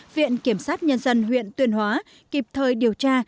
viện kiểm sát nhân dân huyện tuyên hóa kịp thời điều tra